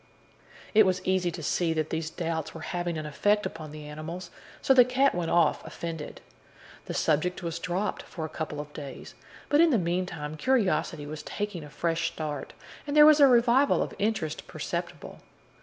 It was easy to see that these doubts were having an effect upon the animals, so the cat went off offended. The subject was dropped for a couple of days, but in the meantime curiosity was taking a fresh start, and there was a revival of interest perceptible.